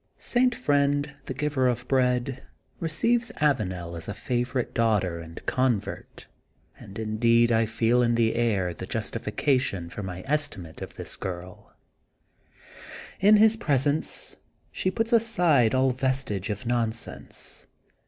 St. Friend, tiie Giver of Bread, receives Avanel as a favorite daugh ter and convert and indeed I feel in the air the justification for my estimate of this girL In his presence she puts aside all vestige of nonsense.